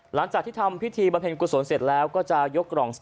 หลังจากที่ทำพิธีบำเพ็ญกุศลเสร็จแล้วก็จะยกกล่อง